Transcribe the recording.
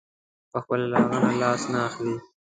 پخپله له هغې نه لاس نه اخلي.